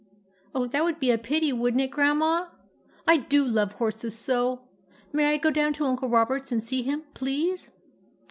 " Oh, that would be a pity, would n't it, Grandma? I do love horses so! May I go down to Uncle Roberts and see him, please